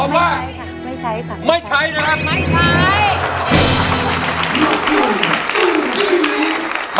ตอบว่าไม่ใช้ครับ